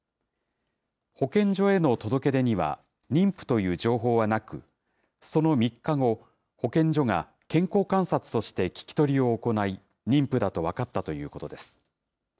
保健所への届け出には、妊婦という情報はなく、その３日後、保健所が健康観察として聞き取りを行い、妊婦だと分かったということです。